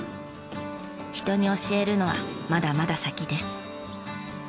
人に教えるのはまだまだ先です。